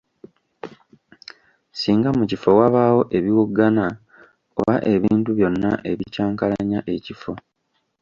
Singa mu kifo wabaawo ebiwoggana oba ebintu byonna ebikyankalanya ekifo.